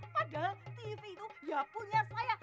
padahal tv itu ya punya saya